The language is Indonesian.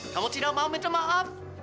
kamu tidak mau minta maaf